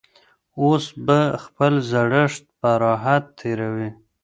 اوس به خپل زړښت په راحت تېروي.